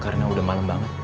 karena udah malem banget